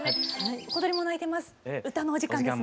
小鳥も鳴いてます。